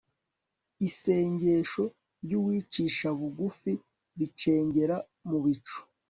isengesho ry'uwicisha bugufi ricengera mu bicu